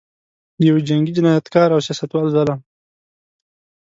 د یوه جنګي جنایتکار او سیاستوال ظلم.